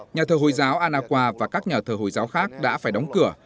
nhà thơ hồi giáo anakwa và các nhà thơ hồi giáo khác đã phải đóng cửa